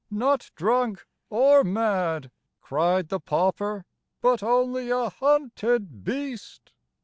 " Not drunk or mad," cried the pauper, " But only a hunted beast.